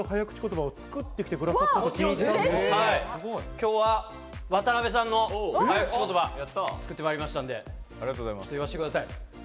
今日は渡邊さんの早口言葉、作ってまいりましたんで言わせてください。